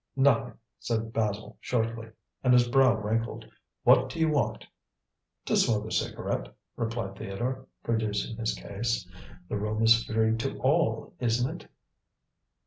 "Nothing," said Basil shortly, and his brow wrinkled. "What do you want?" "To smoke a cigarette," replied Theodore, producing his case; "the room is free to all, isn't it?"